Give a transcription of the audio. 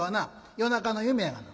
夜中の夢やがな」。